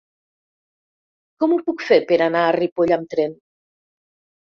Com ho puc fer per anar a Ripoll amb tren?